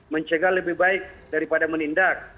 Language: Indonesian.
mencegah lebih baik daripada menindak